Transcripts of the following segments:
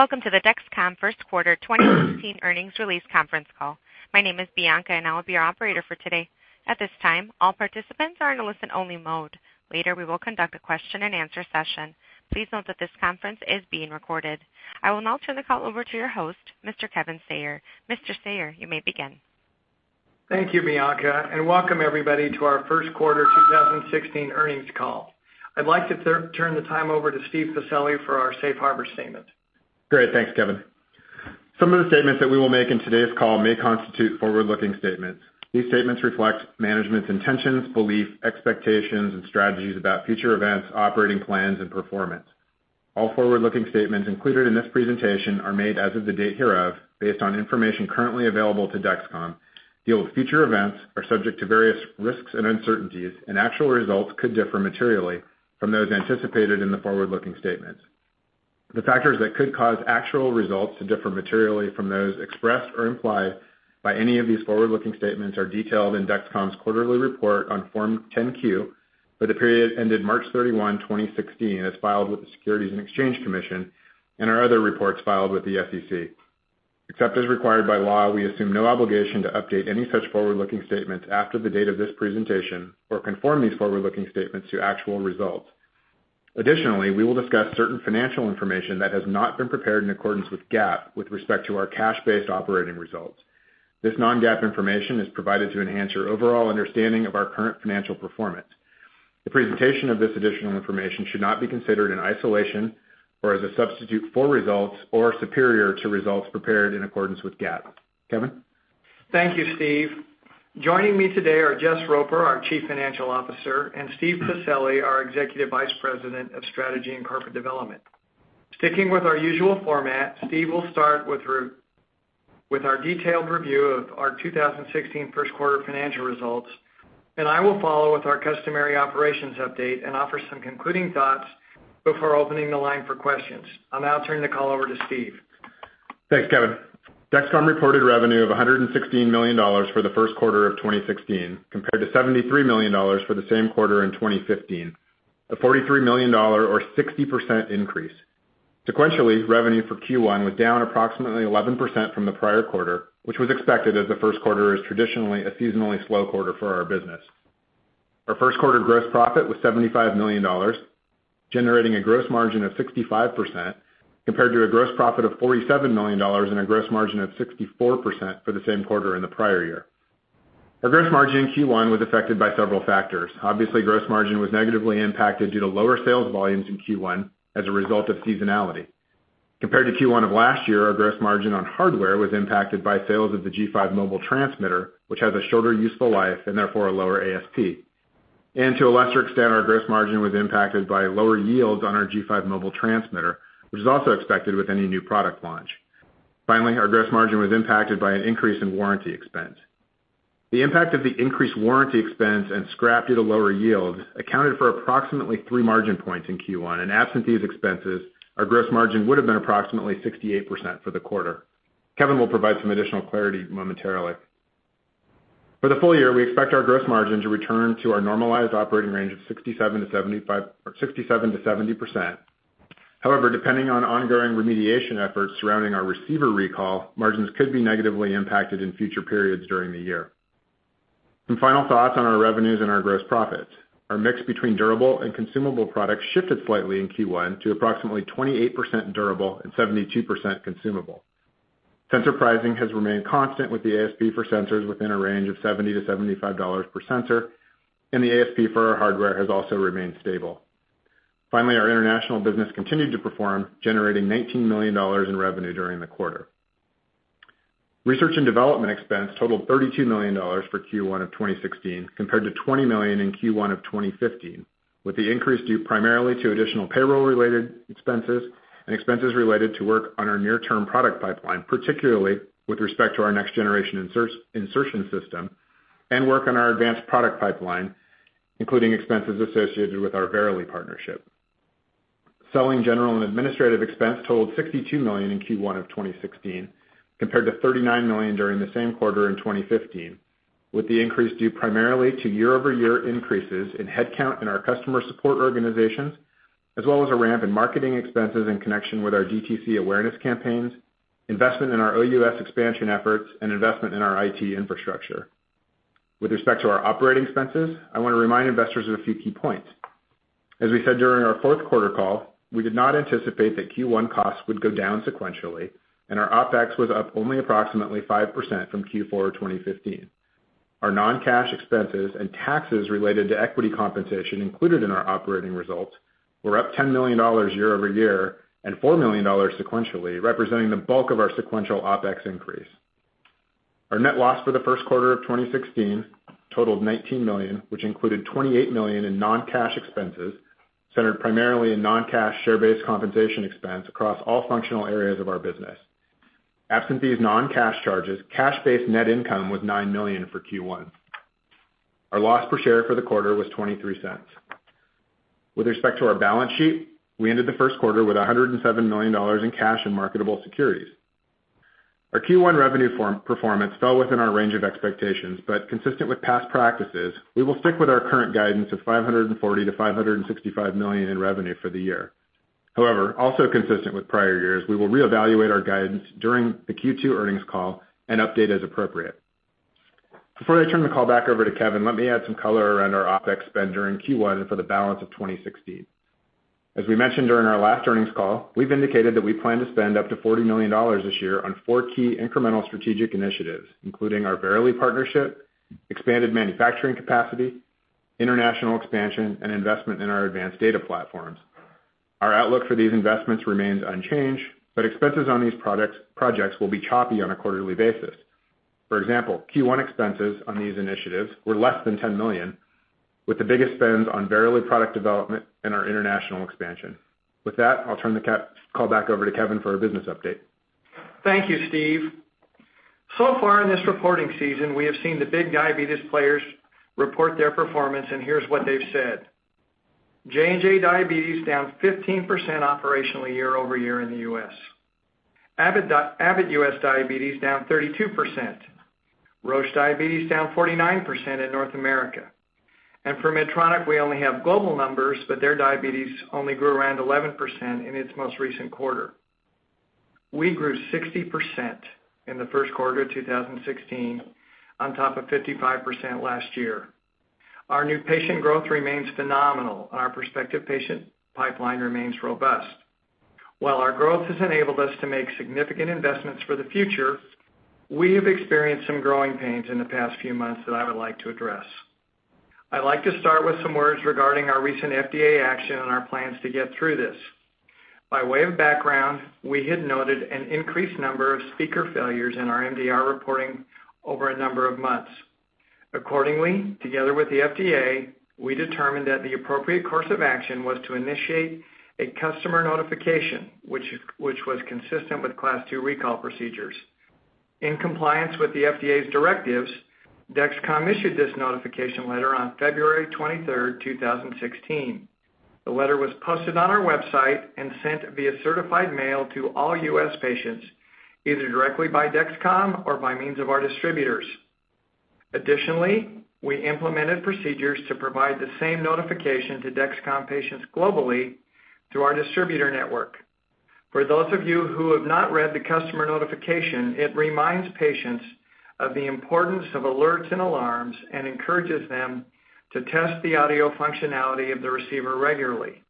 Welcome to the Dexcom first quarter 2016 earnings release conference call. My name is Bianca, and I will be your operator for today. At this time, all participants are in a listen-only mode. Later, we will conduct a question-and-answer session. Please note that this conference is being recorded. I will now turn the call over to your host, Mr. Kevin Sayer. Mr. Sayer, you may begin. Thank you, Bianca, and welcome everybody to our first quarter 2016 earnings call. I'd like to turn the time over to Steven Pacelli for our safe harbor statement. Great. Thanks, Kevin. Some of the statements that we will make in today's call may constitute forward-looking statements. These statements reflect management's intentions, beliefs, expectations, and strategies about future events, operating plans, and performance. All forward-looking statements included in this presentation are made as of the date hereof based on information currently available to Dexcom, deal with future events, are subject to various risks and uncertainties, and actual results could differ materially from those anticipated in the forward-looking statements. The factors that could cause actual results to differ materially from those expressed or implied by any of these forward-looking statements are detailed in Dexcom's quarterly report on Form 10-Q for the period ended March 31, 2016, as filed with the Securities and Exchange Commission and our other reports filed with the SEC. Except as required by law, we assume no obligation to update any such forward-looking statements after the date of this presentation or conform these forward-looking statements to actual results. Additionally, we will discuss certain financial information that has not been prepared in accordance with GAAP with respect to our cash-based operating results. This non-GAAP information is provided to enhance your overall understanding of our current financial performance. The presentation of this additional information should not be considered in isolation or as a substitute for results or superior to results prepared in accordance with GAAP. Kevin? Thank you, Steve. Joining me today are Jess Roper, our Chief Financial Officer, and Steven Pacelli, our Executive Vice President of Strategy and Corporate Development. Sticking with our usual format, Steve will start with with our detailed review of our 2016 first quarter financial results, and I will follow with our customary operations update and offer some concluding thoughts before opening the line for questions. I'll now turn the call over to Steve. Thanks, Kevin. Dexcom reported revenue of $116 million for the first quarter of 2016, compared to $73 million for the same quarter in 2015, a $43 million or 60% increase. Sequentially, revenue for Q1 was down approximately 11% from the prior quarter, which was expected as the first quarter is traditionally a seasonally slow quarter for our business. Our first quarter gross profit was $75 million, generating a gross margin of 65% compared to a gross profit of $47 million and a gross margin of 64% for the same quarter in the prior year. Our gross margin in Q1 was affected by several factors. Obviously, gross margin was negatively impacted due to lower sales volumes in Q1 as a result of seasonality. Compared to Q1 of last year, our gross margin on hardware was impacted by sales of the G5 mobile transmitter, which has a shorter useful life and therefore a lower ASP. To a lesser extent, our gross margin was impacted by lower yields on our G5 mobile transmitter, which is also expected with any new product launch. Finally, our gross margin was impacted by an increase in warranty expense. The impact of the increased warranty expense and scrap due to lower yields accounted for approximately 3 margin points in Q1, and absent these expenses, our gross margin would have been approximately 68% for the quarter. Kevin will provide some additional clarity momentarily. For the full year, we expect our gross margin to return to our normalized operating range of 67%-75%, or 67%-70%. However, depending on ongoing remediation efforts surrounding our receiver recall, margins could be negatively impacted in future periods during the year. Some final thoughts on our revenues and our gross profits. Our mix between durable and consumable products shifted slightly in Q1 to approximately 28% durable and 72% consumable. Sensor pricing has remained constant with the ASP for sensors within a range of $70-$75 per sensor, and the ASP for our hardware has also remained stable. Finally, our international business continued to perform, generating $19 million in revenue during the quarter. Research and development expense totaled $32 million for Q1 of 2016, compared to $20 million in Q1 of 2015, with the increase due primarily to additional payroll-related expenses and expenses related to work on our near-term product pipeline, particularly with respect to our next-generation insertion system and work on our advanced product pipeline, including expenses associated with our Verily partnership. Selling, general, and administrative expense totaled $62 million in Q1 of 2016, compared to $39 million during the same quarter in 2015, with the increase due primarily to year-over-year increases in headcount in our customer support organizations, as well as a ramp in marketing expenses in connection with our DTC awareness campaigns, investment in our OUS expansion efforts, and investment in our IT infrastructure. With respect to our operating expenses, I want to remind investors of a few key points. As we said during our fourth quarter call, we did not anticipate that Q1 costs would go down sequentially, and our OpEx was up only approximately 5% from Q4 2015. Our non-cash expenses and taxes related to equity compensation included in our operating results were up $10 million year-over-year and $4 million sequentially, representing the bulk of our sequential OpEx increase. Our net loss for the first quarter of 2016 totaled $19 million, which included $28 million in non-cash expenses, centered primarily in non-cash share-based compensation expense across all functional areas of our business. Absent these non-cash charges, cash-based net income was $9 million for Q1. Our loss per share for the quarter was $0.23. With respect to our balance sheet, we ended the first quarter with $107 million in cash and marketable securities. Our Q1 revenue performance fell within our range of expectations, but consistent with past practices, we will stick with our current guidance of $540 million-$565 million in revenue for the year. However, also consistent with prior years, we will reevaluate our guidance during the Q2 earnings call and update as appropriate. Before I turn the call back over to Kevin, let me add some color around our OpEx spend during Q1 and for the balance of 2016. As we mentioned during our last earnings call, we've indicated that we plan to spend up to $40 million this year on four key incremental strategic initiatives, including our Verily partnership, expanded manufacturing capacity, international expansion, and investment in our advanced data platforms. Our outlook for these investments remains unchanged, but expenses on these projects will be choppy on a quarterly basis. For example, Q1 expenses on these initiatives were less than $10 million, with the biggest spends on Verily product development and our international expansion. With that, I'll turn the call back over to Kevin for a business update. Thank you, Steve. Far in this reporting season, we have seen the big diabetes players report their performance, and here's what they've said. J&J Diabetes down 15% operationally year-over-year in the U.S. Abbott US Diabetes down 32%. Roche Diabetes down 49% in North America. For Medtronic, we only have global numbers, but their diabetes only grew around 11% in its most recent quarter. We grew 60% in the first quarter of 2016, on top of 55% last year. Our new patient growth remains phenomenal, and our prospective patient pipeline remains robust. While our growth has enabled us to make significant investments for the future, we have experienced some growing pains in the past few months that I would like to address. I'd like to start with some words regarding our recent FDA action and our plans to get through this. By way of background, we had noted an increased number of speaker failures in our MDR reporting over a number of months. Accordingly, together with the FDA, we determined that the appropriate course of action was to initiate a customer notification, which was consistent with Class II recall procedures. In compliance with the FDA's directives, Dexcom issued this notification letter on February 23rd, 2016. The letter was posted on our website and sent via certified mail to all U.S. patients, either directly by Dexcom or by means of our distributors. Additionally, we implemented procedures to provide the same notification to Dexcom patients globally through our distributor network. For those of you who have not read the customer notification, it reminds patients of the importance of alerts and alarms and encourages them to test the audio functionality of the receiver regularly.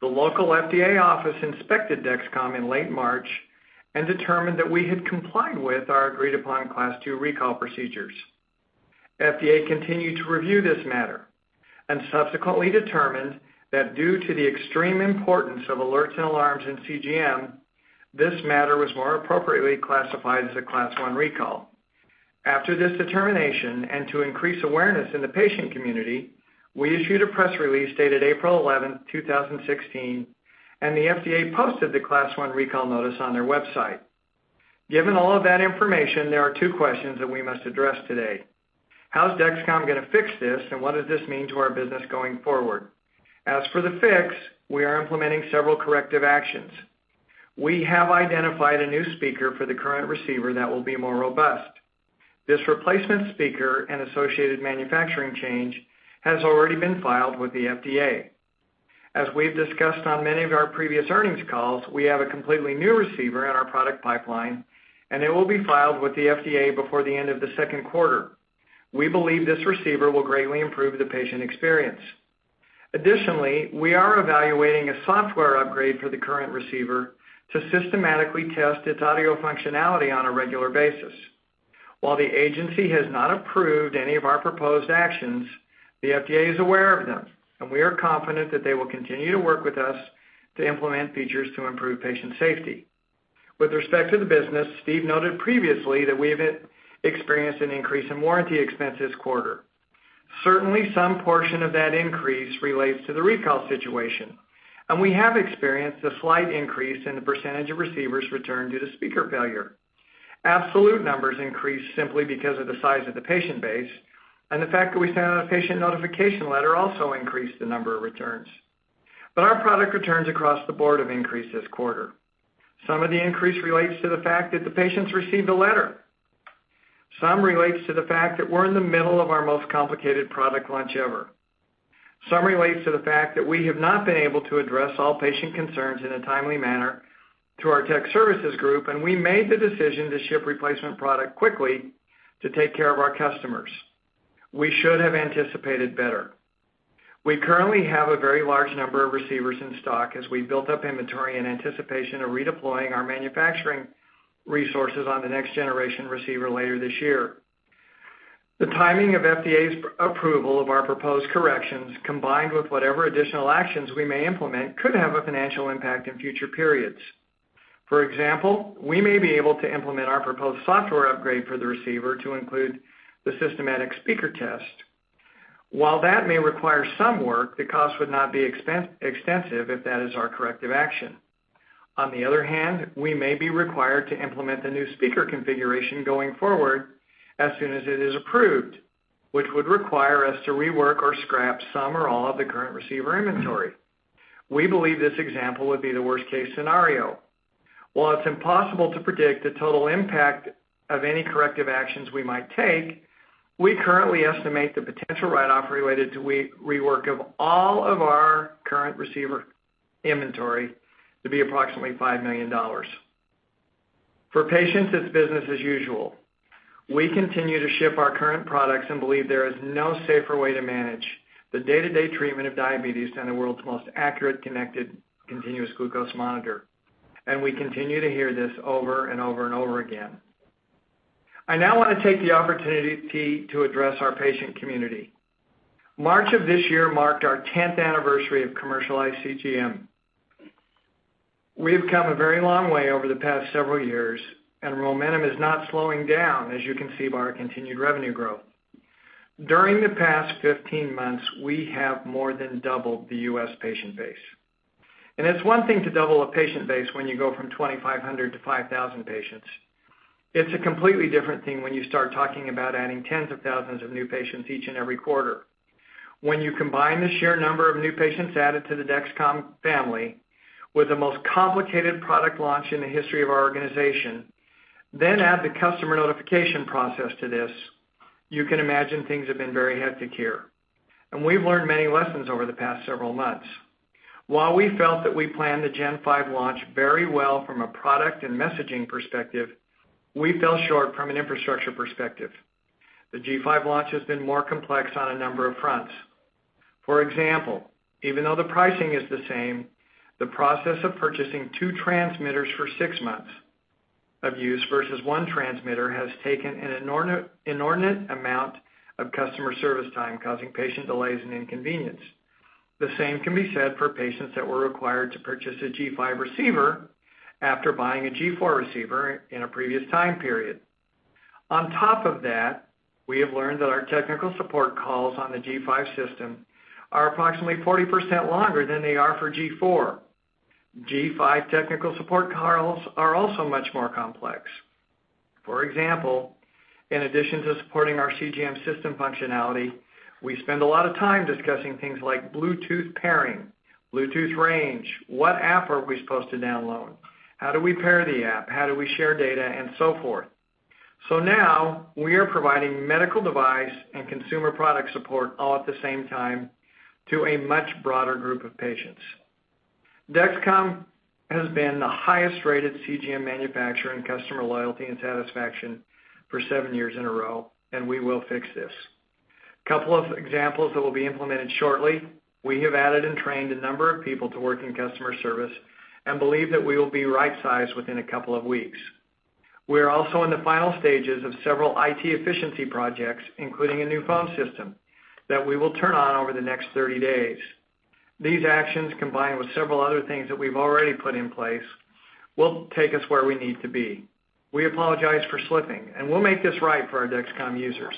The local FDA office inspected Dexcom in late March and determined that we had complied with our agreed-upon Class II recall procedures. FDA continued to review this matter and subsequently determined that due to the extreme importance of alerts and alarms in CGM, this matter was more appropriately classified as a Class I recall. After this determination, and to increase awareness in the patient community, we issued a press release dated April 11, 2016, and the FDA posted the Class I recall notice on their website. Given all of that information, there are two questions that we must address today. How's Dexcom gonna fix this, and what does this mean to our business going forward? As for the fix, we are implementing several corrective actions. We have identified a new speaker for the current receiver that will be more robust. This replacement speaker and associated manufacturing change has already been filed with the FDA. As we've discussed on many of our previous earnings calls, we have a completely new receiver in our product pipeline, and it will be filed with the FDA before the end of the second quarter. We believe this receiver will greatly improve the patient experience. Additionally, we are evaluating a software upgrade for the current receiver to systematically test its audio functionality on a regular basis. While the agency has not approved any of our proposed actions, the FDA is aware of them, and we are confident that they will continue to work with us to implement features to improve patient safety. With respect to the business, Steve noted previously that we have experienced an increase in warranty expense this quarter. Certainly, some portion of that increase relates to the recall situation, and we have experienced a slight increase in the percentage of receivers returned due to speaker failure. Absolute numbers increased simply because of the size of the patient base, and the fact that we sent out a patient notification letter also increased the number of returns. Our product returns across the board have increased this quarter. Some of the increase relates to the fact that the patients received a letter. Some relates to the fact that we're in the middle of our most complicated product launch ever. Some relates to the fact that we have not been able to address all patient concerns in a timely manner through our tech services group, and we made the decision to ship replacement product quickly to take care of our customers. We should have anticipated better. We currently have a very large number of receivers in stock as we built up inventory in anticipation of redeploying our manufacturing resources on the next-generation receiver later this year. The timing of FDA's approval of our proposed corrections, combined with whatever additional actions we may implement, could have a financial impact in future periods. For example, we may be able to implement our proposed software upgrade for the receiver to include the systematic speaker test. While that may require some work, the cost would not be extensive if that is our corrective action. On the other hand, we may be required to implement the new sensor configuration going forward as soon as it is approved, which would require us to rework or scrap some or all of the current receiver inventory. We believe this example would be the worst case scenario. While it's impossible to predict the total impact of any corrective actions we might take, we currently estimate the potential write-off related to rework of all of our current receiver inventory to be approximately $5 million. For patients, it's business as usual. We continue to ship our current products and believe there is no safer way to manage the day-to-day treatment of diabetes than the world's most accurate connected continuous glucose monitor. We continue to hear this over and over and over again. I now wanna take the opportunity to address our patient community. March of this year marked our 10th anniversary of commercialized CGM. We have come a very long way over the past several years, and momentum is not slowing down, as you can see by our continued revenue growth. During the past 15 months, we have more than doubled the U.S. patient base. It's one thing to double a patient base when you go from 2,500 to 5,000 patients. It's a completely different thing when you start talking about adding tens of thousands of new patients each and every quarter. When you combine the sheer number of new patients added to the Dexcom family with the most complicated product launch in the history of our organization, then add the customer notification process to this, you can imagine things have been very hectic here. We've learned many lessons over the past several months. While we felt that we planned the G5 launch very well from a product and messaging perspective, we fell short from an infrastructure perspective. The G5 launch has been more complex on a number of fronts. For example, even though the pricing is the same, the process of purchasing two transmitters for six months of use versus one transmitter has taken an inordinate amount of customer service time, causing patient delays and inconvenience. The same can be said for patients that were required to purchase a G5 receiver after buying a G4 receiver in a previous time period. On top of that, we have learned that our technical support calls on the G5 system are approximately 40% longer than they are for G4. G5 technical support calls are also much more complex. For example, in addition to supporting our CGM system functionality, we spend a lot of time discussing things like Bluetooth pairing, Bluetooth range, what app are we supposed to download, how do we pair the app, how do we share data, and so forth. Now we are providing medical device and consumer product support all at the same time to a much broader group of patients. Dexcom has been the highest-rated CGM manufacturer in customer loyalty and satisfaction for seven years in a row, and we will fix this. Couple of examples that will be implemented shortly, we have added and trained a number of people to work in customer service and believe that we will be right-sized within a couple of weeks. We are also in the final stages of several IT efficiency projects, including a new phone system that we will turn on over the next 30 days. These actions, combined with several other things that we've already put in place, will take us where we need to be. We apologize for slipping, and we'll make this right for our Dexcom users.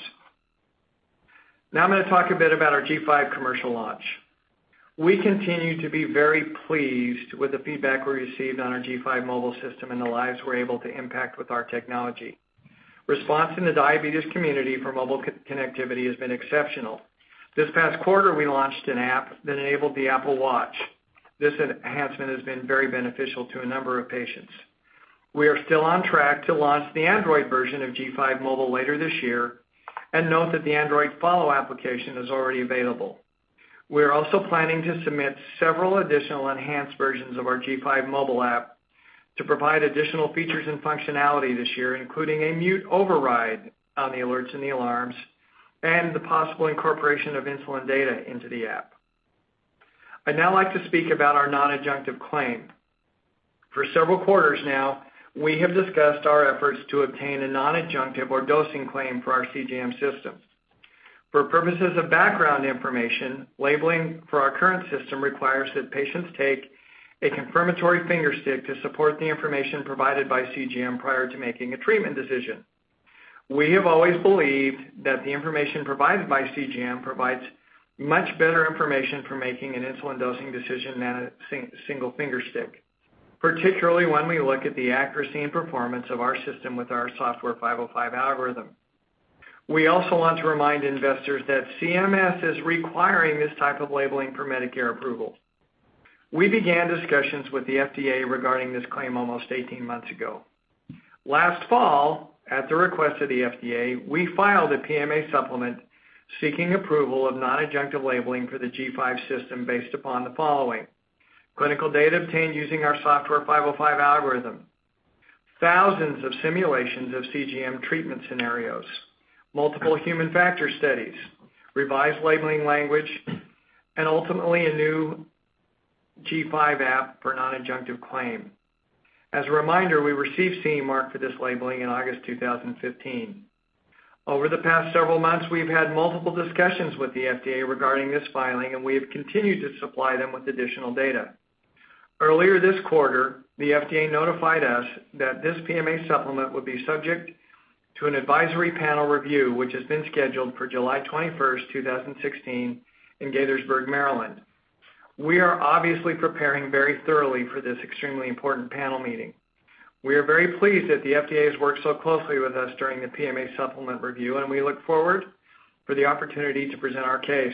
Now I'm gonna talk a bit about our G5 commercial launch. We continue to be very pleased with the feedback we received on our G5 Mobile System and the lives we're able to impact with our technology. Response in the diabetes community for mobile connectivity has been exceptional. This past quarter, we launched an app that enabled the Apple Watch. This enhancement has been very beneficial to a number of patients. We are still on track to launch the Android version of G5 Mobile later this year, and note that the Android Follow application is already available. We are also planning to submit several additional enhanced versions of our G5 Mobile app to provide additional features and functionality this year, including a mute override on the alerts and the alarms, and the possible incorporation of insulin data into the app. I'd now like to speak about our non-adjunctive claim. For several quarters now, we have discussed our efforts to obtain a non-adjunctive or dosing claim for our CGM systems. For purposes of background information, labeling for our current system requires that patients take a confirmatory finger stick to support the information provided by CGM prior to making a treatment decision. We have always believed that the information provided by CGM provides much better information for making an insulin dosing decision than a single finger stick, particularly when we look at the accuracy and performance of our system with our Software 505 algorithm. We also want to remind investors that CMS is requiring this type of labeling for Medicare approval. We began discussions with the FDA regarding this claim almost 18 months ago. Last fall, at the request of the FDA, we filed a PMA supplement seeking approval of non-adjunctive labeling for the G5 system based upon the following. Clinical data obtained using our Software 505 algorithm, thousands of simulations of CGM treatment scenarios, multiple human factor studies, revised labeling language, and ultimately, a new G5 app for non-adjunctive claim. As a reminder, we received CE Mark for this labeling in August 2015. Over the past several months, we've had multiple discussions with the FDA regarding this filing, and we have continued to supply them with additional data. Earlier this quarter, the FDA notified us that this PMA supplement would be subject to an advisory panel review, which has been scheduled for July 21, 2016 in Gaithersburg, Maryland. We are obviously preparing very thoroughly for this extremely important panel meeting. We are very pleased that the FDA has worked so closely with us during the PMA supplement review, and we look forward to the opportunity to present our case.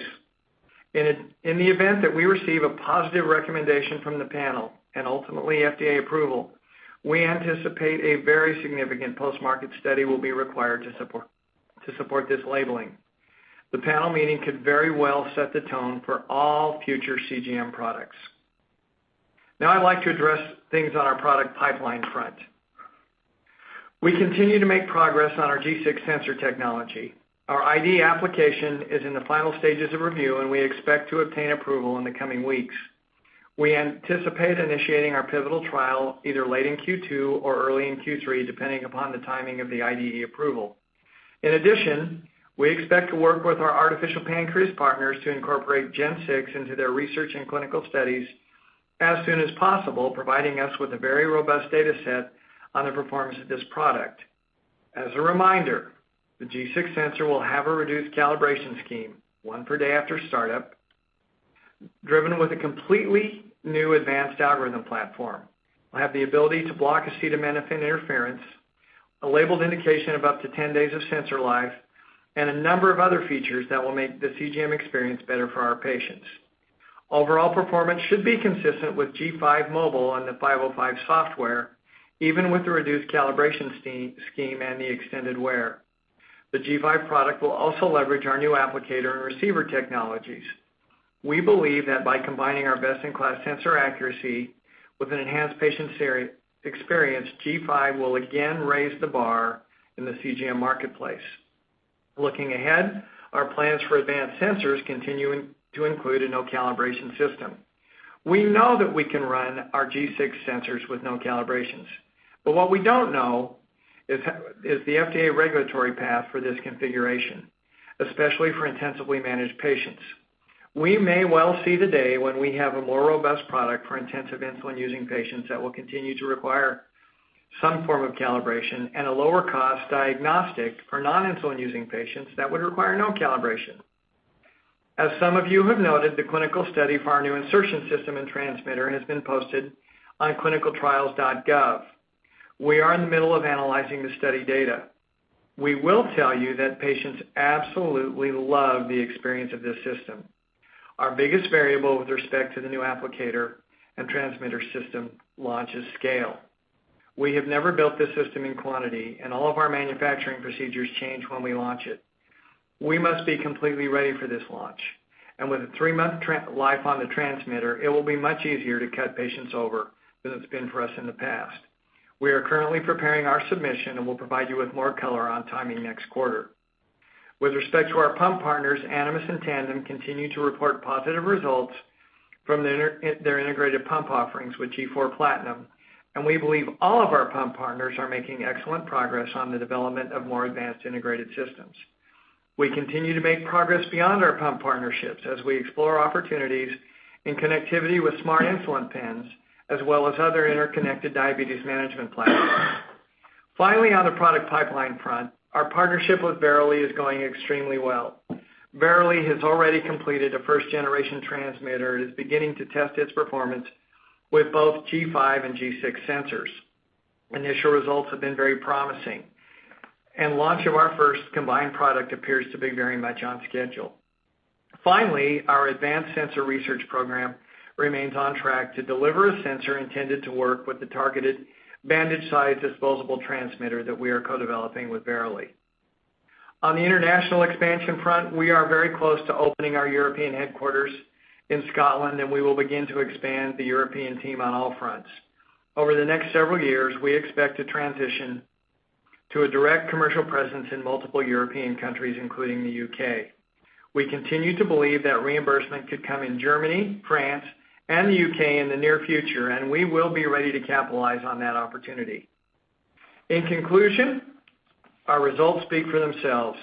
In the event that we receive a positive recommendation from the panel and ultimately FDA approval, we anticipate a very significant post-market study will be required to support this labeling. The panel meeting could very well set the tone for all future CGM products. Now I'd like to address things on our product pipeline front. We continue to make progress on our G6 sensor technology. Our IDE application is in the final stages of review, and we expect to obtain approval in the coming weeks. We anticipate initiating our pivotal trial either late in Q2 or early in Q3, depending upon the timing of the IDE approval. In addition, we expect to work with our artificial pancreas partners to incorporate G6 into their research and clinical studies as soon as possible, providing us with a very robust data set on the performance of this product. As a reminder, the G6 sensor will have a reduced calibration scheme, one per day after startup, driven with a completely new advanced algorithm platform. It'll have the ability to block acetaminophen interference, a labeled indication of up to 10 days of sensor life, and a number of other features that will make the CGM experience better for our patients. Overall performance should be consistent with G5 Mobile and the 505 software, even with the reduced calibration scheme and the extended wear. The G5 product will also leverage our new applicator and receiver technologies. We believe that by combining our best-in-class sensor accuracy with an enhanced patient experience, G5 will again raise the bar in the CGM marketplace. Looking ahead, our plans for advanced sensors continue to include a no-calibration system. We know that we can run our G6 sensors with no calibrations, but what we don't know is the FDA regulatory path for this configuration, especially for intensively managed patients. We may well see the day when we have a more robust product for intensive insulin-using patients that will continue to require some form of calibration and a lower cost diagnostic for non-insulin using patients that would require no calibration. As some of you have noted, the clinical study for our new insertion system and transmitter has been posted on ClinicalTrials.gov. We are in the middle of analyzing the study data. We will tell you that patients absolutely love the experience of this system. Our biggest variable with respect to the new applicator and transmitter system launch is scale. We have never built this system in quantity, and all of our manufacturing procedures change when we launch it. We must be completely ready for this launch. With a three-month life on the transmitter, it will be much easier to get patients over than it's been for us in the past. We are currently preparing our submission, and we'll provide you with more color on timing next quarter. With respect to our pump partners, Animas and Tandem continue to report positive results from their integrated pump offerings with G4 PLATINUM, and we believe all of our pump partners are making excellent progress on the development of more advanced integrated systems. We continue to make progress beyond our pump partnerships as we explore opportunities in connectivity with smart insulin pens as well as other interconnected diabetes management platforms. Finally, on the product pipeline front, our partnership with Verily is going extremely well. Verily has already completed a first-generation transmitter and is beginning to test its performance with both G5 and G6 sensors. Initial results have been very promising, and launch of our first combined product appears to be very much on schedule. Finally, our advanced sensor research program remains on track to deliver a sensor intended to work with the targeted bandage-sized disposable transmitter that we are co-developing with Verily. On the international expansion front, we are very close to opening our European headquarters in Scotland, and we will begin to expand the European team on all fronts. Over the next several years, we expect to transition to a direct commercial presence in multiple European countries, including the UK. We continue to believe that reimbursement could come in Germany, France, and the UK in the near future, and we will be ready to capitalize on that opportunity. In conclusion, our results speak for themselves.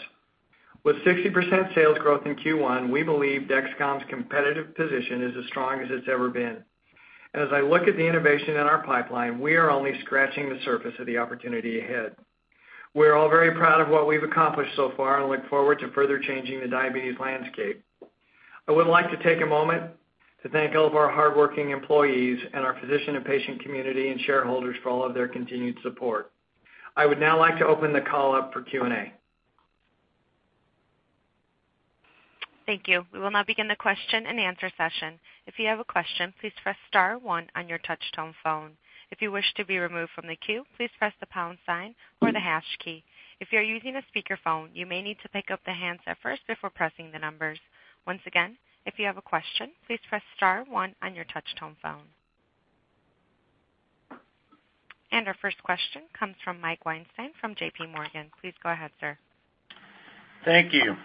With 60% sales growth in Q1, we believe Dexcom's competitive position is as strong as it's ever been. As I look at the innovation in our pipeline, we are only scratching the surface of the opportunity ahead. We're all very proud of what we've accomplished so far and look forward to further changing the diabetes landscape. I would like to take a moment to thank all of our hardworking employees and our physician and patient community and shareholders for all of their continued support. I would now like to open the call up for Q&A. Thank you. We will now begin the question-and-answer session. If you have a question, please press star one on your touch-tone phone. If you wish to be removed from the queue, please press the pound sign or the hash key. If you're using a speakerphone, you may need to pick up the handset first before pressing the numbers. Once again, if you have a question, please press star one on your touch-tone phone. Our first question comes from Mike Weinstein from JPMorgan. Please go ahead, sir. Thank you.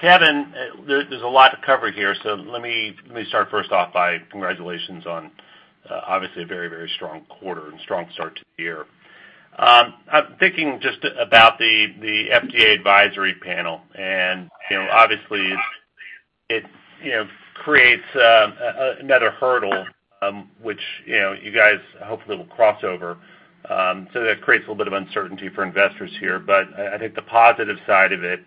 Kevin, there's a lot to cover here, so let me start first off by congratulations on obviously a very, very strong quarter and strong start to the year. I'm thinking just about the FDA advisory panel and, you know, obviously it creates another hurdle, which, you know, you guys hopefully will cross over. So that creates a little bit of uncertainty for investors here. I think the positive side of it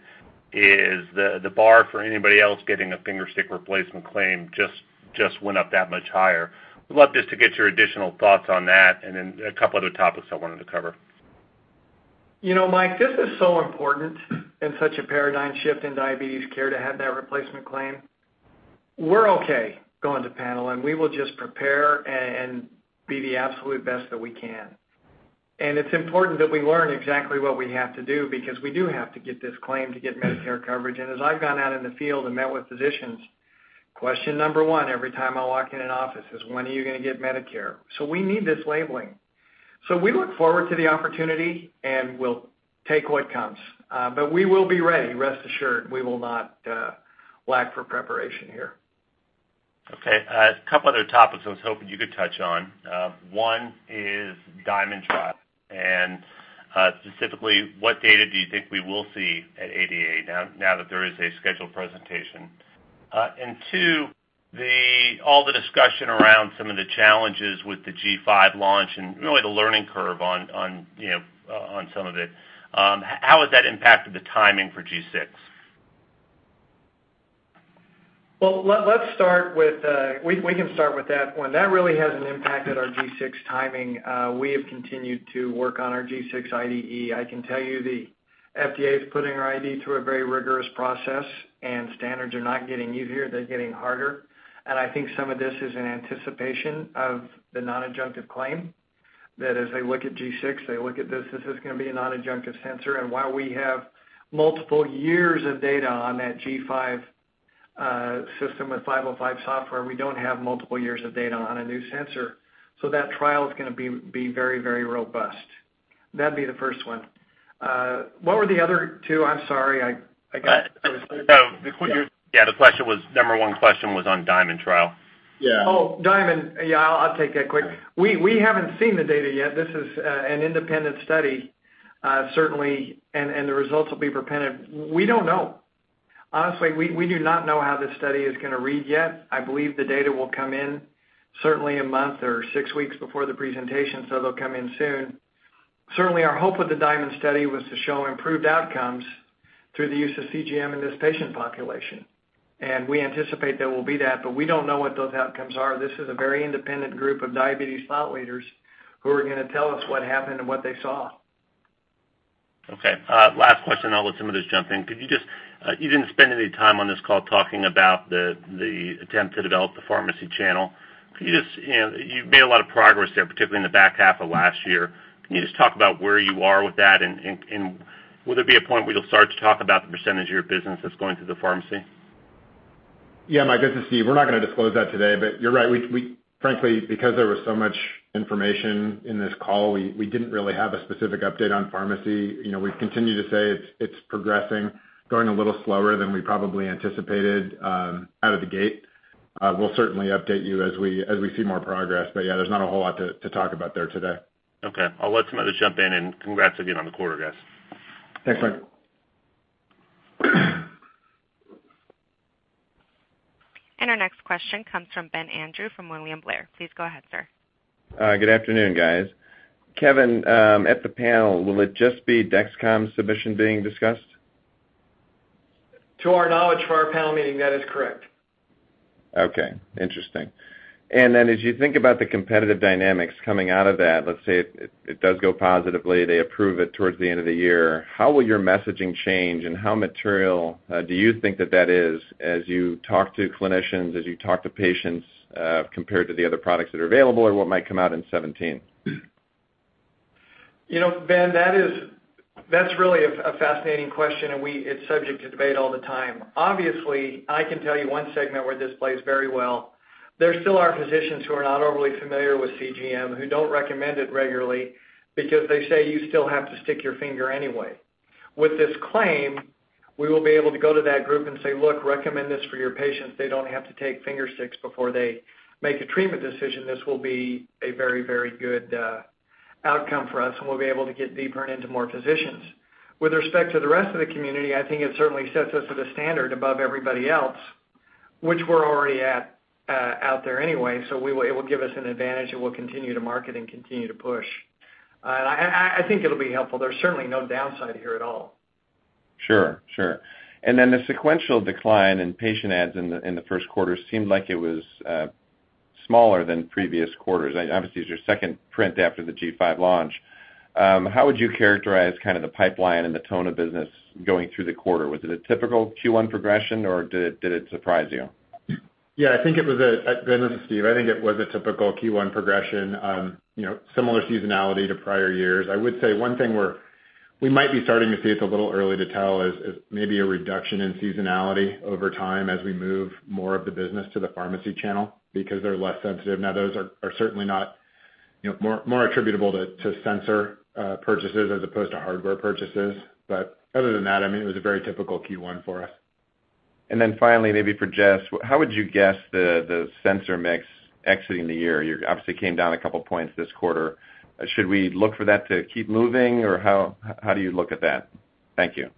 is the bar for anybody else getting a finger stick replacement claim just went up that much higher. Would love just to get your additional thoughts on that, and then a couple other topics I wanted to cover. You know, Mike, this is so important and such a paradigm shift in diabetes care to have that replacement claim. We're okay going to panel, and we will just prepare and be the absolute best that we can. It's important that we learn exactly what we have to do because we do have to get this claim to get Medicare coverage. As I've gone out in the field and met with physicians, question number one every time I walk in an office is, "When are you gonna get Medicare?" We need this labeling. We look forward to the opportunity, and we'll take what comes. We will be ready. Rest assured, we will not lack for preparation here. Okay. A couple other topics I was hoping you could touch on. One is DIaMonD Trial, and specifically, what data do you think we will see at ADA now that there is a scheduled presentation? Two, all the discussion around some of the challenges with the G5 launch and really the learning curve on, you know, on some of it, how has that impacted the timing for G6? Well, let's start with, we can start with that one. That really hasn't impacted our G6 timing. We have continued to work on our G6 IDE. I can tell you the FDA is putting our IDE through a very rigorous process, and standards are not getting easier, they're getting harder. I think some of this is in anticipation of the non-adjunctive claim. That as they look at G6, they look at this is gonna be a non-adjunctive sensor. While we have multiple years of data on that G5 system with 505 software, we don't have multiple years of data on a new sensor. That trial is gonna be very, very robust. That'd be the first one. What were the other two? I'm sorry. I got The question was, number one question was on DIaMonD trial. Yeah. Oh, DIaMonD. Yeah, I'll take that quick. We haven't seen the data yet. This is an independent study, certainly, and the results will be presented. We don't know. Honestly, we do not know how this study is gonna read yet. I believe the data will come in certainly a month or six weeks before the presentation, so they'll come in soon. Certainly, our hope with the DIaMonD study was to show improved outcomes through the use of CGM in this patient population. We anticipate there will be that, but we don't know what those outcomes are. This is a very independent group of diabetes thought leaders who are gonna tell us what happened and what they saw. Okay. Last question, I'll let some of you jump in. Could you just, you didn't spend any time on this call talking about the attempt to develop the pharmacy channel. Could you just, you know, you've made a lot of progress there, particularly in the back half of last year. Can you just talk about where you are with that? And will there be a point where you'll start to talk about the percentage of your business that's going to the pharmacy? Yeah, Mike, this is Steve. We're not gonna disclose that today. You're right, we frankly, because there was so much information in this call, we didn't really have a specific update on pharmacy. You know, we continue to say it's progressing, going a little slower than we probably anticipated out of the gate. We'll certainly update you as we see more progress. Yeah, there's not a whole lot to talk about there today. Okay. I'll let some others jump in, and congrats again on the quarter, guys. Thanks, Mike. Our next question comes from Ben Andrew from William Blair. Please go ahead, sir. Good afternoon, guys. Kevin, at the panel, will it just be Dexcom submission being discussed? To our knowledge, for our panel meeting, that is correct. Okay. Interesting. As you think about the competitive dynamics coming out of that, let's say it does go positively. They approve it towards the end of the year. How will your messaging change, and how material do you think that is as you talk to clinicians, as you talk to patients, compared to the other products that are available or what might come out in 2017? You know, Ben, that's really a fascinating question, and it's subject to debate all the time. Obviously, I can tell you one segment where this plays very well. There still are physicians who are not overly familiar with CGM, who don't recommend it regularly because they say you still have to stick your finger anyway. With this claim, we will be able to go to that group and say, "Look, recommend this for your patients. They don't have to take finger sticks before they make a treatment decision." This will be a very, very good outcome for us, and we'll be able to get deeper into more physicians. With respect to the rest of the community, I think it certainly sets us to the standard above everybody else, which we're already at out there anyway. It will give us an advantage, and we'll continue to market and continue to push. I think it'll be helpful. There's certainly no downside here at all. Sure, sure. The sequential decline in patient adds in the first quarter seemed like it was smaller than previous quarters. Obviously, it's your second print after the G5 launch. How would you characterize kind of the pipeline and the tone of business going through the quarter? Was it a typical Q1 progression, or did it surprise you? Yeah. Ben, this is Steve. I think it was a typical Q1 progression. You know, similar seasonality to prior years. I would say one thing we might be starting to see, it's a little early to tell, is maybe a reduction in seasonality over time as we move more of the business to the pharmacy channel because they're less sensitive. Now, those are certainly not, you know, more attributable to sensor purchases as opposed to hardware purchases. Other than that, I mean, it was a very typical Q1 for us. Finally, maybe for Jess, how would you guess the sensor mix exiting the year? You obviously came down a couple points this quarter. Should we look for that to keep moving, or how do you look at that? Thank you.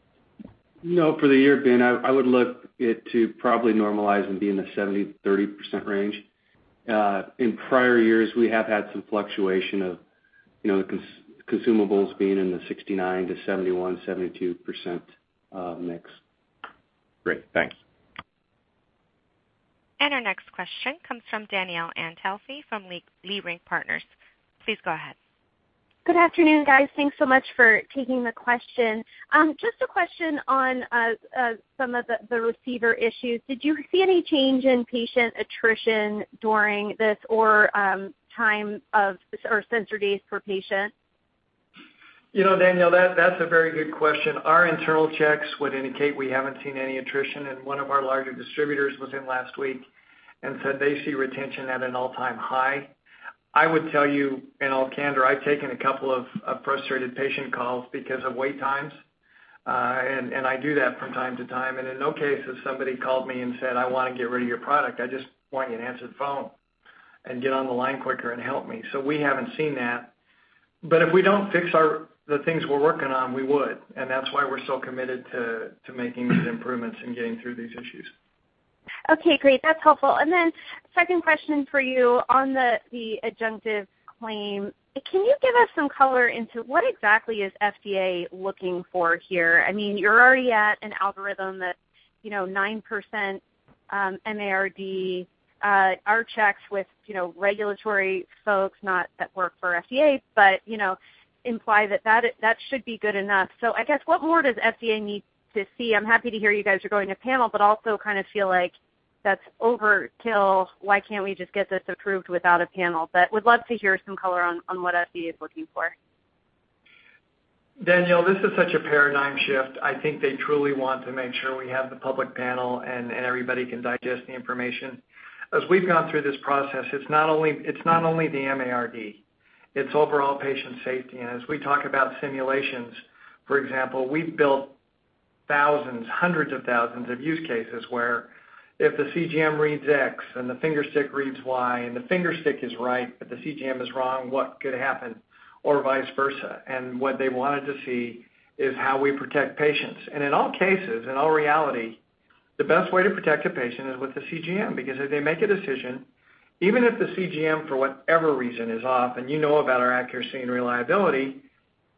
No, for the year, Ben, I would look for it to probably normalize and be in the 70%-30% range. In prior years, we have had some fluctuation of. You know, the consumables being in the 69%-71%, 72% mix. Great. Thanks. Our next question comes from Danielle Antalffy from Leerink Partners. Please go ahead. Good afternoon, guys. Thanks so much for taking the question. Just a question on some of the receiver issues. Did you see any change in patient attrition during this or sensor days per patient? You know, Danielle, that's a very good question. Our internal checks would indicate we haven't seen any attrition. One of our larger distributors was in last week and said they see retention at an all-time high. I would tell you, in all candor, I've taken a couple of frustrated patient calls because of wait times, and I do that from time to time. In no case has somebody called me and said, "I wanna get rid of your product. I just want you to answer the phone and get on the line quicker and help me." We haven't seen that. If we don't fix the things we're working on, we would, and that's why we're so committed to making these improvements and getting through these issues. Okay, great. That's helpful. Second question for you on the adjunctive claim. Can you give us some color on what exactly is FDA looking for here? I mean, you're already at an algorithm that, you know, 9% MARD. Our checks with, you know, regulatory folks that do not work for FDA, but, you know, imply that that should be good enough. I guess, what more does FDA need to see? I'm happy to hear you guys are going to panel, but also kinda feel like that's overkill. Why can't we just get this approved without a panel? Would love to hear some color on what FDA is looking for. Danielle, this is such a paradigm shift. I think they truly want to make sure we have the public panel and everybody can digest the information. As we've gone through this process, it's not only the MARD, it's overall patient safety. As we talk about simulations, for example, we've built thousands, hundreds of thousands of use cases where if the CGM reads X and the finger stick reads Y, and the finger stick is right, but the CGM is wrong, what could happen or vice versa. What they wanted to see is how we protect patients. In all cases, in all reality, the best way to protect a patient is with a CGM. Because if they make a decision, even if the CGM, for whatever reason, is off and you know about our accuracy and reliability,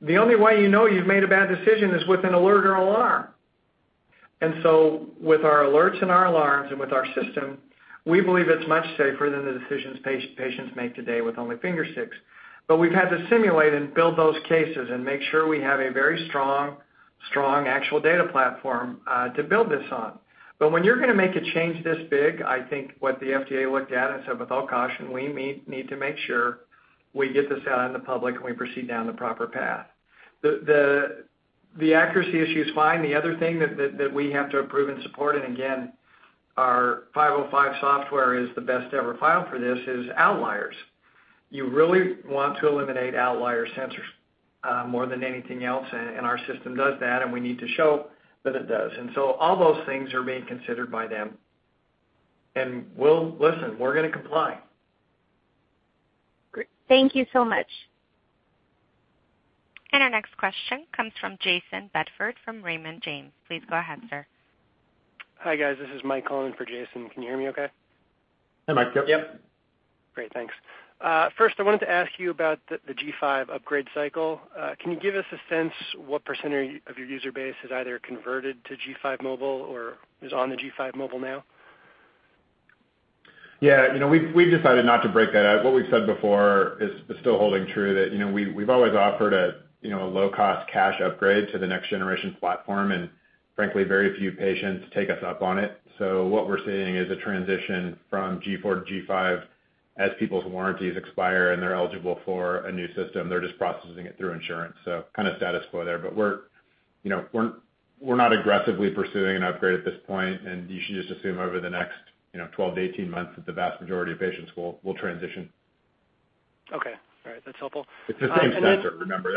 the only way you know you've made a bad decision is with an alert or alarm. With our alerts and our alarms and with our system, we believe it's much safer than the decisions patients make today with only finger sticks. We've had to simulate and build those cases and make sure we have a very strong actual data platform to build this on. When you're gonna make a change this big, I think what the FDA looked at and said, with all caution, we need to make sure we get this out in the public and we proceed down the proper path. The accuracy issue is fine. The other thing that we have to approve and support, and again, our Software 505 is the best ever filed for this, is outliers. You really want to eliminate outlier sensors more than anything else, and our system does that, and we need to show that it does. We'll listen. We're gonna comply. Great. Thank you so much. Our next question comes from Jayson Bedford from Raymond James. Please go ahead, sir. Hi, guys. This is Mike calling for Jayson. Can you hear me okay? Hey, Mike. Yep. Great. Thanks. First I wanted to ask you about the G5 upgrade cycle. Can you give us a sense what percentage of your user base has either converted to G5 Mobile or is on the G5 Mobile now? Yeah. You know, we've decided not to break that out. What we've said before is still holding true that, you know, we've always offered a, you know, a low cost cash upgrade to the next generation platform, and frankly, very few patients take us up on it. What we're seeing is a transition from G4 to G5 as people's warranties expire and they're eligible for a new system. They're just processing it through insurance, so kind of status quo there. We're, you know, not aggressively pursuing an upgrade at this point, and you should just assume over the next, you know, 12-18 months that the vast majority of patients will transition. Okay. All right. That's helpful. It's the same sensor, remember?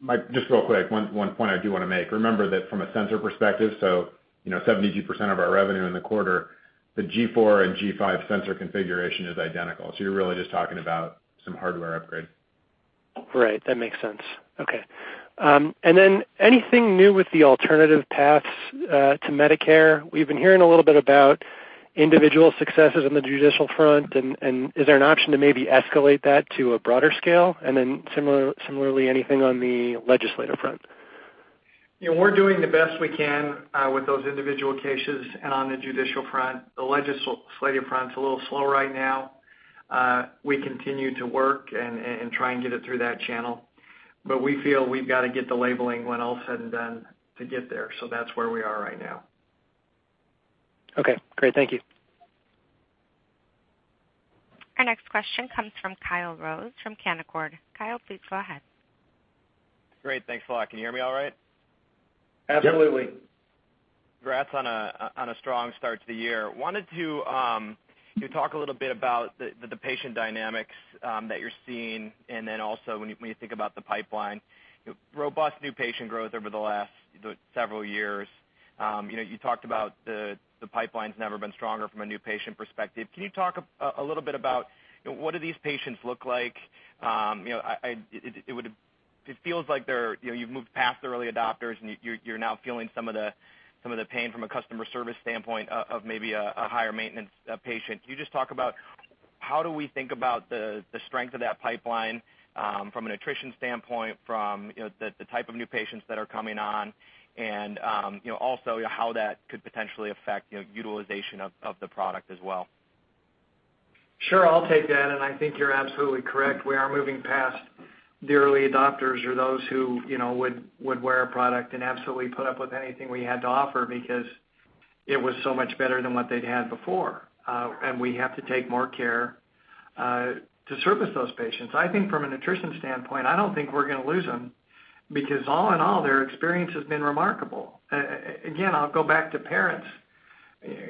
Mike, just real quick, one point I do wanna make. Remember that from a sensor perspective, so, you know, 72% of our revenue in the quarter, the G4 and G5 sensor configuration is identical, so you're really just talking about some hardware upgrade. Right. That makes sense. Okay. And then anything new with the alternative paths to Medicare? We've been hearing a little bit about individual successes on the judicial front, and is there an option to maybe escalate that to a broader scale? Similarly, anything on the legislative front? You know, we're doing the best we can with those individual cases and on the judicial front. The legislative front's a little slow right now. We continue to work and try and get it through that channel. We feel we've got to get the labeling when all is said and done to get there. That's where we are right now. Okay, great. Thank you. Our next question comes from Kyle Rose from Canaccord. Kyle, please go ahead. Great. Thanks a lot. Can you hear me all right? Absolutely. Congrats on a strong start to the year. Wanted to you talk a little bit about the patient dynamics that you're seeing and then also when you think about the pipeline. Robust new patient growth over the last several years. You know, you talked about the pipeline's never been stronger from a new patient perspective. Can you talk a little bit about what do these patients look like? You know, it feels like they're, you know, you've moved past the early adopters, and you're now feeling some of the pain from a customer service standpoint of maybe a higher maintenance patient. Can you just talk about how do we think about the strength of that pipeline, from an attrition standpoint, from, you know, the type of new patients that are coming on, and, you know, also how that could potentially affect, you know, utilization of the product as well? Sure. I'll take that. I think you're absolutely correct. We are moving past the early adopters or those who, you know, would wear a product and absolutely put up with anything we had to offer because it was so much better than what they'd had before. We have to take more care to service those patients. I think from a nutrition standpoint, I don't think we're gonna lose them because all in all, their experience has been remarkable. Again, I'll go back to parents.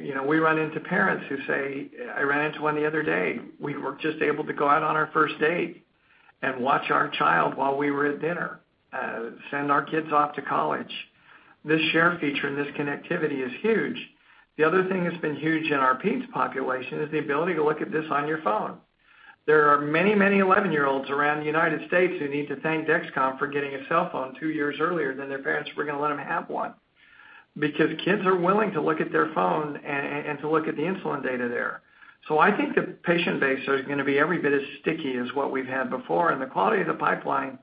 You know, we run into parents who say, I ran into one the other day, "We were just able to go out on our first date and watch our child while we were at dinner, send our kids off to college." This share feature and this connectivity is huge. The other thing that's been huge in our peds population is the ability to look at this on your phone. There are many, many 11-year-olds around the United States who need to thank Dexcom for getting a cell phone 2 years earlier than their parents were gonna let them have one because kids are willing to look at their phone and to look at the insulin data there. I think the patient base are gonna be every bit as sticky as what we've had before, and the quality of the pipeline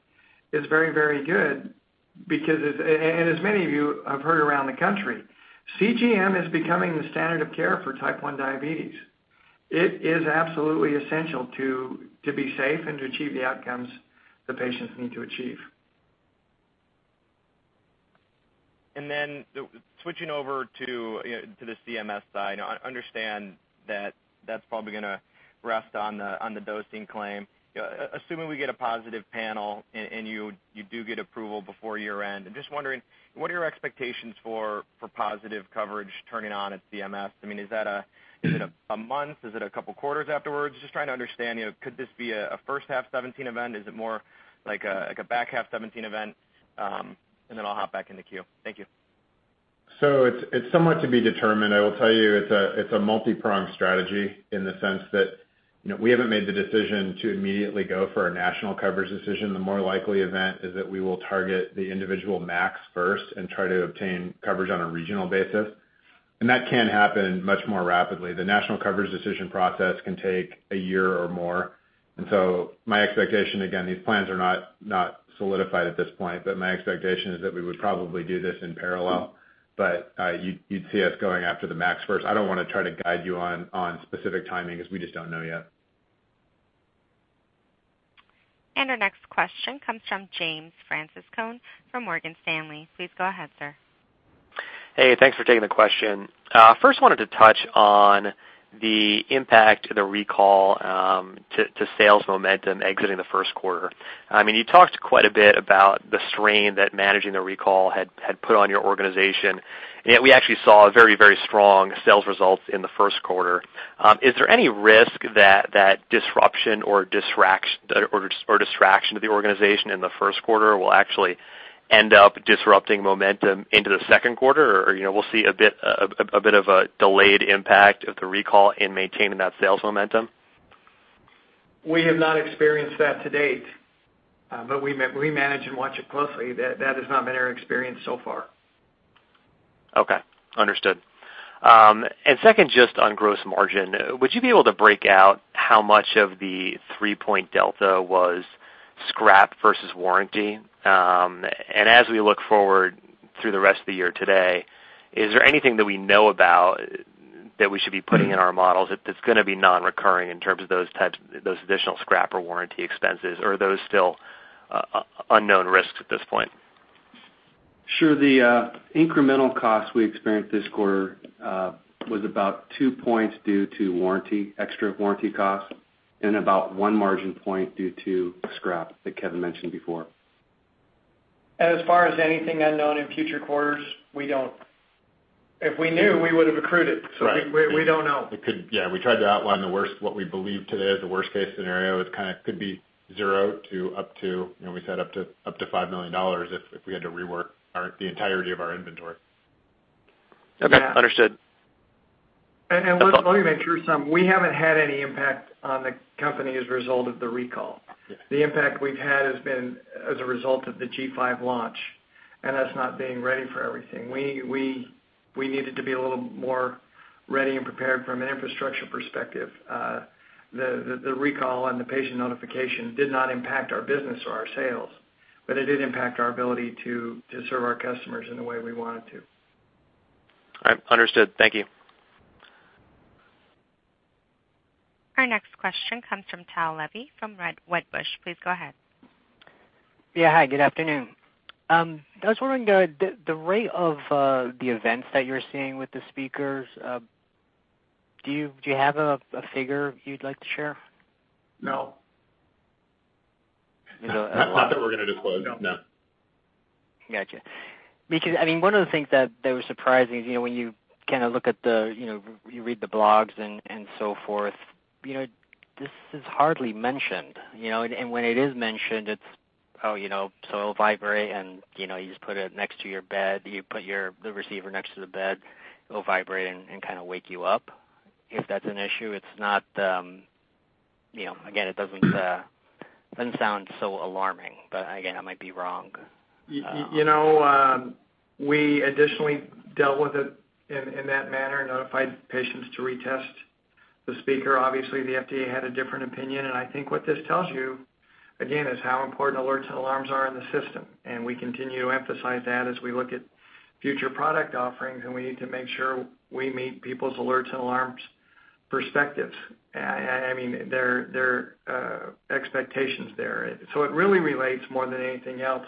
is very, very good because as many of you have heard around the country, CGM is becoming the standard of care for Type 1 diabetes. It is absolutely essential to be safe and to achieve the outcomes the patients need to achieve. Switching over to, you know, to the CMS side, I understand that that's probably gonna rest on the, on the dosing claim. Assuming we get a positive panel and you do get approval before year-end, I'm just wondering what are your expectations for positive coverage turning on at CMS? I mean, is it a month? Is it a couple quarters afterwards? Just trying to understand, you know, could this be a first half 2017 event? Is it more like a back half 2017 event? I'll hop back in the queue. Thank you. It's somewhat to be determined. I will tell you it's a multipronged strategy in the sense that, you know, we haven't made the decision to immediately go for a national coverage decision. The more likely event is that we will target the individual MACs first and try to obtain coverage on a regional basis, and that can happen much more rapidly. The national coverage decision process can take a year or more. My expectation, again, these plans are not solidified at this point, but my expectation is that we would probably do this in parallel. You'd see us going after the MACs first. I don't wanna try to guide you on specific timing as we just don't know yet. Our next question comes from James Francescone from Morgan Stanley. Please go ahead, sir. Hey, thanks for taking the question. First wanted to touch on the impact of the recall to sales momentum exiting the first quarter. I mean, you talked quite a bit about the strain that managing the recall had put on your organization, and yet we actually saw very, very strong sales results in the first quarter. Is there any risk that that disruption or distraction to the organization in the first quarter will actually end up disrupting momentum into the second quarter, or, you know, we'll see a bit of a delayed impact of the recall in maintaining that sales momentum? We have not experienced that to date, but we manage and watch it closely. That has not been our experience so far. Okay. Understood. Second, just on gross margin, would you be able to break out how much of the 3-point delta was scrap versus warranty? As we look forward through the rest of the year today, is there anything that we know about that we should be putting in our models that's gonna be non-recurring in terms of those types, those additional scrap or warranty expenses, or are those still unknown risks at this point? Sure. The incremental cost we experienced this quarter was about 2% due to warranty, extra warranty costs, and about 1% margin due to scrap that Kevin mentioned before. As far as anything unknown in future quarters, we don't. If we knew, we would have accrued it. Right. We don't know. Yeah, we tried to outline the worst, what we believe today is the worst case scenario. It kind of could be 0 to up to, you know, we said up to $5 million if we had to rework the entirety of our inventory. Okay. Understood. Let me make sure we haven't had any impact on the company as a result of the recall. Yes. The impact we've had has been as a result of the G5 launch, and us not being ready for everything. We needed to be a little more ready and prepared from an infrastructure perspective. The recall and the patient notification did not impact our business or our sales, but it did impact our ability to serve our customers in the way we wanted to. All right. Understood. Thank you. Our next question comes from Tao Levy from Wedbush. Please go ahead. Yeah. Hi, good afternoon. I was wondering the rate of the events that you're seeing with the sensors. Do you have a figure you'd like to share? No. You don't have one? Not that we're gonna disclose. No. Gotcha. Because, I mean, one of the things that was surprising is, you know, when you kind of look at the, you know, you read the blogs and so forth, you know, this is hardly mentioned, you know? When it is mentioned, it's, oh, you know, so it'll vibrate and, you know, you just put it next to your bed. You put the receiver next to the bed, it'll vibrate and kind of wake you up. If that's an issue, it's not, you know, again, it doesn't sound so alarming, but again, I might be wrong. We additionally dealt with it in that manner, notified patients to retest the sensor. Obviously, the FDA had a different opinion. I think what this tells you, again, is how important alerts and alarms are in the system. We continue to emphasize that as we look at future product offerings, and we need to make sure we meet people's alerts and alarms perspectives. I mean, their expectations there. It really relates more than anything else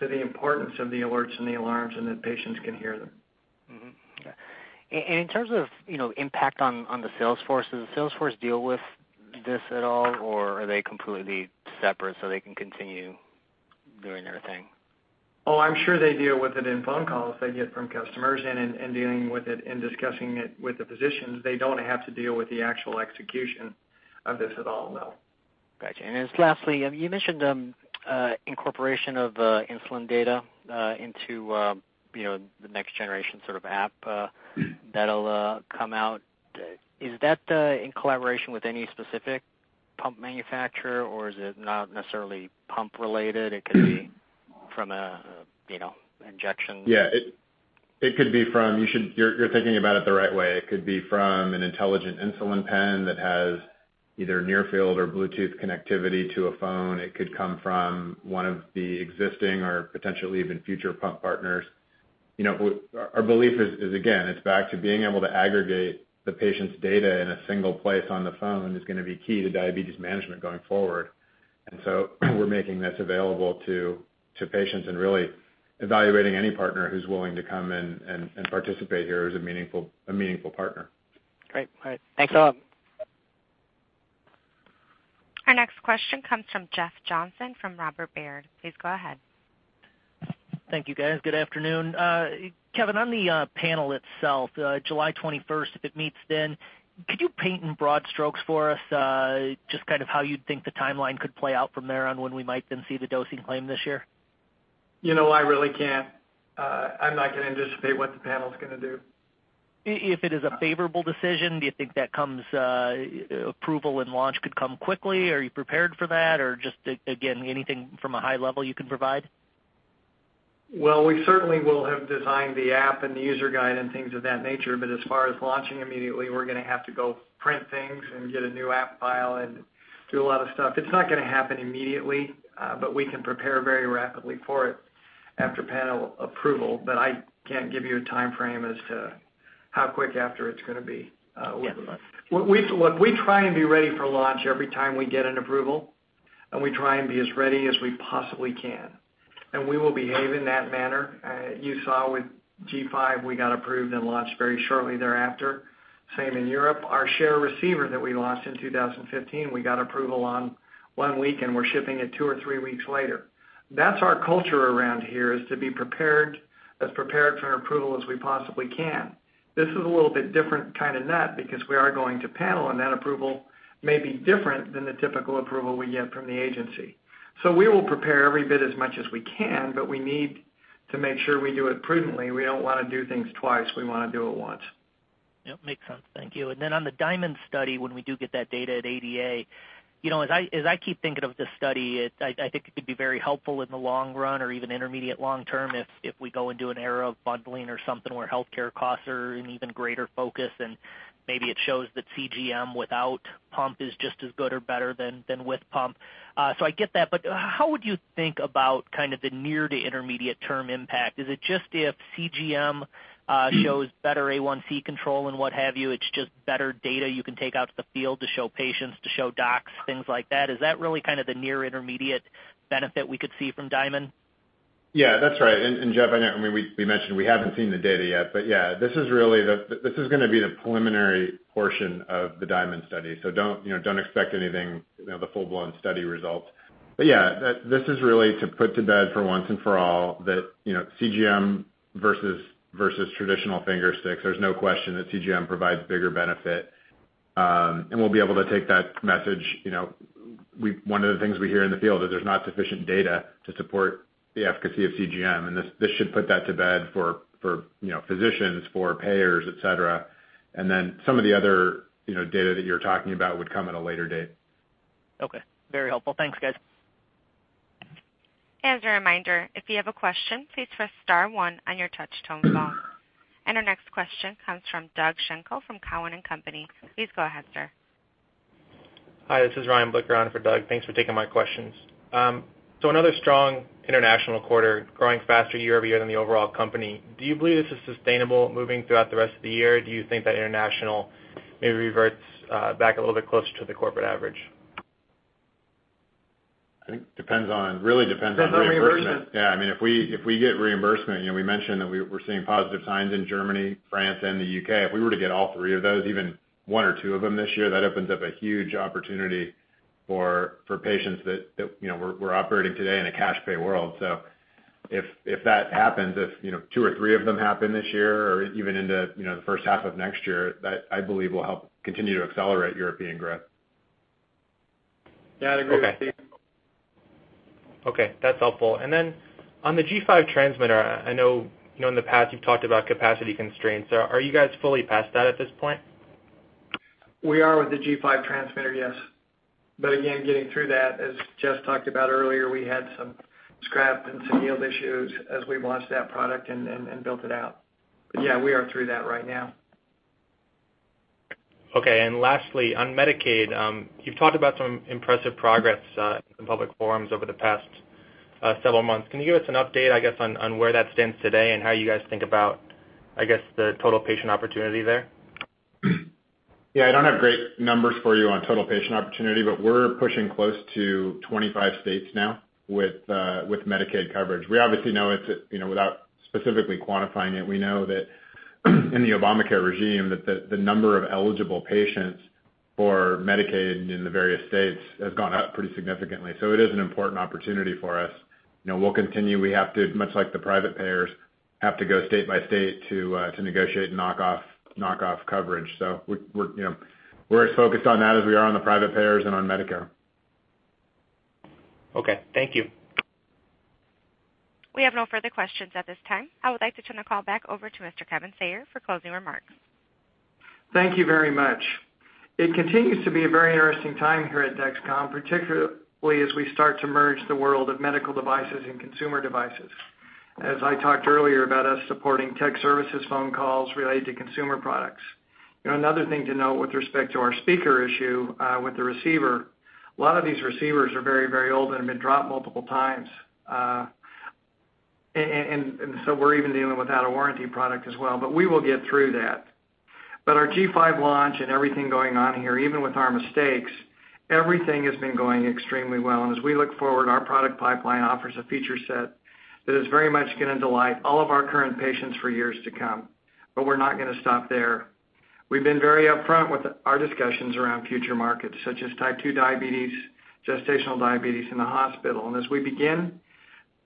to the importance of the alerts and the alarms, and that patients can hear them. Mm-hmm. Okay. In terms of, you know, impact on the sales force, does the sales force deal with this at all, or are they completely separate so they can continue doing their thing? Oh, I'm sure they deal with it in phone calls they get from customers and in dealing with it and discussing it with the physicians. They don't have to deal with the actual execution of this at all, no. Gotcha. Lastly, you mentioned incorporation of insulin data into you know the next generation sort of app that'll come out. Is that in collaboration with any specific pump manufacturer, or is it not necessarily pump related? It could be from a you know injection. Yeah, you're thinking about it the right way. It could be from an intelligent insulin pen that has either near field or Bluetooth connectivity to a phone. It could come from one of the existing or potentially even future pump partners. You know, our belief is, again, it's back to being able to aggregate the patient's data in a single place on the phone is gonna be key to diabetes management going forward. We're making this available to patients and really evaluating any partner who's willing to come and participate here as a meaningful partner. Great. All right. Thanks a lot. Our next question comes from Jeff Johnson from Robert W. Baird. Please go ahead. Thank you, guys. Good afternoon. Kevin, on the panel itself, July twenty-first, if it meets then, could you paint in broad strokes for us, just kind of how you'd think the timeline could play out from there on when we might then see the dosing claim this year? You know, I really can't. I'm not gonna anticipate what the panel's gonna do. If it is a favorable decision, do you think approval and launch could come quickly? Are you prepared for that? Or just, again, anything from a high level you can provide? Well, we certainly will have designed the app and the user guide and things of that nature. As far as launching immediately, we're gonna have to go print things and get a new app file and do a lot of stuff. It's not gonna happen immediately, but we can prepare very rapidly for it after panel approval. I can't give you a timeframe as to how quick after it's gonna be. Yeah. Look, we try and be ready for launch every time we get an approval, and we try and be as ready as we possibly can. We will behave in that manner. You saw with G5, we got approved and launched very shortly thereafter. Same in Europe. Our Share receiver that we launched in 2015, we got approval in one week, and we're shipping it two or three weeks later. That's our culture around here, is to be prepared, as prepared for an approval as we possibly can. This is a little bit different kind of bet because we are going to panel, and that approval may be different than the typical approval we get from the agency. We will prepare every bit as much as we can, but we need to make sure we do it prudently. We don't wanna do things twice. We wanna do it once. Yep. Makes sense. Thank you. On the DIaMonD study, when we do get that data at ADA, you know, as I keep thinking of this study, I think it could be very helpful in the long run or even intermediate long term if we go into an era of bundling or something where healthcare costs are an even greater focus, and maybe it shows that CGM without pump is just as good or better than with pump. I get that, but how would you think about kind of the near to intermediate term impact? Is it just if CGM shows better A1C control and what have you, it's just better data you can take out to the field to show patients, to show docs, things like that? Is that really kind of the near intermediate benefit we could see from DIaMonD? Yeah, that's right. Jeff, I know, I mean, we mentioned we haven't seen the data yet, but yeah, this is gonna be the preliminary portion of the DIaMonD study. Don't, you know, don't expect anything, you know, the full-blown study results. Yeah, this is really to put to bed for once and for all that, you know, CGM versus traditional finger sticks, there's no question that CGM provides bigger benefit. We'll be able to take that message. You know, one of the things we hear in the field is there's not sufficient data to support the efficacy of CGM, and this should put that to bed for you know, physicians, for payers, et cetera. Some of the other, you know, data that you're talking about would come at a later date. Okay. Very helpful. Thanks, guys. As a reminder, if you have a question, please press star one on your touch-tone phone. Our next question comes from Doug Schenkel from Cowen and Company. Please go ahead, sir. Hi, this is Ryan Blicker on for Doug. Thanks for taking my questions. Another strong international quarter growing faster year-over-year than the overall company. Do you believe this is sustainable moving throughout the rest of the year? Do you think that international maybe reverts back a little bit closer to the corporate average? I think really depends on reimbursement. Depends on reimbursement. Yeah. I mean, if we get reimbursement, you know, we mentioned that we're seeing positive signs in Germany, France, and the U.K. If we were to get all three of those, even one or two of them this year, that opens up a huge opportunity for patients that, you know, we're operating today in a cash pay world. If that happens, if two or three of them happen this year or even into, you know, the first half of next year, that I believe will help continue to accelerate European growth. Yeah, I'd agree with Steve. Okay. That's helpful. Then on the G5 transmitter, I know, you know, in the past you've talked about capacity constraints. Are you guys fully past that at this point? We are with the G5 transmitter, yes. Again, getting through that, as Jess talked about earlier, we had some scrap and some yield issues as we launched that product and built it out. Yeah, we are through that right now. Okay. Lastly, on Medicaid, you've talked about some impressive progress in public forums over the past several months. Can you give us an update, I guess, on where that stands today and how you guys think about, I guess, the total patient opportunity there? Yeah. I don't have great numbers for you on total patient opportunity, but we're pushing close to 25 states now with Medicaid coverage. We obviously know it's you know without specifically quantifying it. We know that in the Obamacare regime, the number of eligible patients for Medicaid in the various states has gone up pretty significantly. It is an important opportunity for us. You know, we'll continue. We have to, much like the private payers, have to go state by state to negotiate and knock off coverage. You know, we're as focused on that as we are on the private payers and on Medicare. Okay, thank you. We have no further questions at this time. I would like to turn the call back over to Mr. Kevin Sayer for closing remarks. Thank you very much. It continues to be a very interesting time here at Dexcom, particularly as we start to merge the world of medical devices and consumer devices. As I talked earlier about us supporting tech support phone calls related to consumer products. You know, another thing to note with respect to our speaker issue with the receiver, a lot of these receivers are very, very old and have been dropped multiple times. And so we're even dealing with out of warranty product as well. We will get through that. Our G5 launch and everything going on here, even with our mistakes, everything has been going extremely well. As we look forward, our product pipeline offers a feature set that is very much gonna delight all of our current patients for years to come. We're not gonna stop there. We've been very upfront with our discussions around future markets such as Type 2 diabetes, gestational diabetes in the hospital. As we begin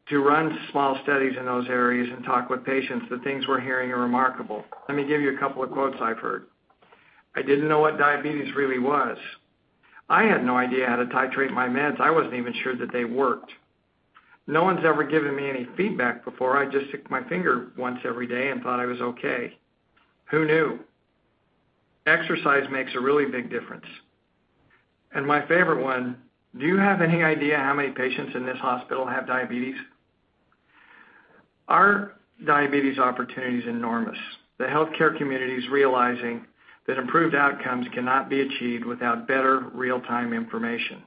to run small studies in those areas and talk with patients, the things we're hearing are remarkable. Let me give you a couple of quotes I've heard. "I didn't know what diabetes really was. I had no idea how to titrate my meds. I wasn't even sure that they worked. No one's ever given me any feedback before. I just stick my finger once every day and thought I was okay. Who knew? Exercise makes a really big difference." My favorite one, "Do you have any idea how many patients in this hospital have diabetes?" Our diabetes opportunity is enormous. The healthcare community is realizing that improved outcomes cannot be achieved without better real-time information.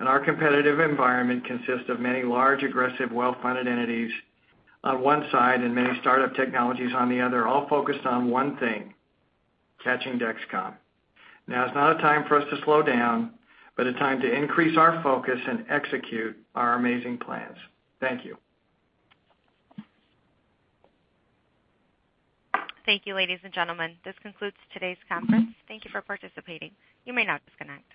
Our competitive environment consists of many large, aggressive, well-funded entities on one side and many startup technologies on the other, all focused on one thing, catching Dexcom. Now is not a time for us to slow down, but a time to increase our focus and execute our amazing plans. Thank you. Thank you, ladies and gentlemen. This concludes today's conference. Thank you for participating. You may now disconnect.